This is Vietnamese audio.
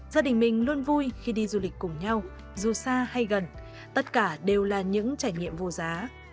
gia đình mình luôn vui khi đi du lịch cùng nhau dù xa hay gần tất cả đều là những trải nghiệm vô giá